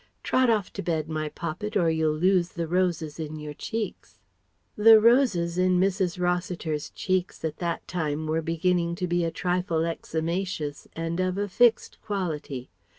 Trot off to bed, my poppet, or you'll lose the roses in your cheeks." The roses in Mrs. Rossiter's cheeks at that time were beginning to be a trifle eczematous and of a fixed quality.